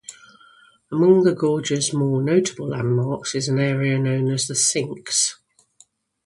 Among the gorge's more notable landmarks is an area known as The Sinks.